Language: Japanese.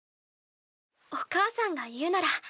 お母さんが言うなら。